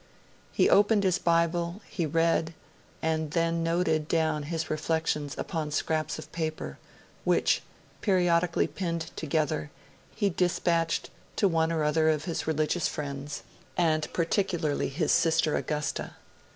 He opened his Bible, he read, and then he noted down his reflections upon scraps of paper, which, periodically pinned together, he dispatched to one or other of his religious friends, and particularly his sister Augusta.